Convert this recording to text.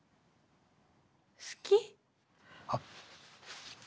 好き？あっ。